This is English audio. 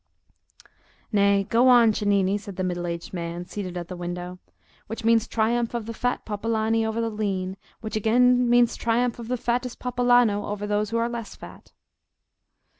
"Nay, go on, Cennini," said the middle aged man, seated at the window, "which means triumph of the fat popolani over the lean, which again means triumph of the fattest popolano over those who are less fat."